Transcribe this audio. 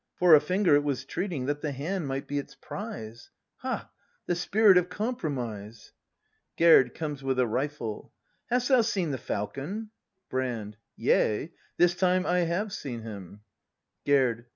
For a finger it was treating, That the hand might be its prize —! Ha, the Spirit of Compromise! Gerd. [Comes with a rifle.] Hast thou seen the falcon? Brand. Yea; This time I have seen him. Gerd.